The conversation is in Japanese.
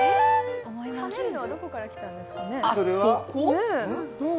はねるのはどこからきたんですかね？